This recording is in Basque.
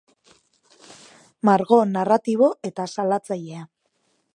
Margo narratibo eta salatzailea.